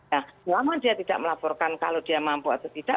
nah selama dia tidak melaporkan kalau dia mampu atau tidak